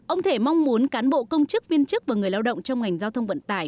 ông thể mong muốn cán bộ công chức viên chức và người lao động trong ngành giao thông vận tải